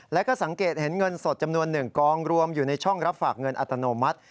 แล้วก็สังเกตเห็นเงินสดจำนวน๑กองรวมอยู่ในช่องรับฝากเงินอัตโนมัติ